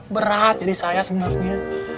berat jadi saya sebenarnya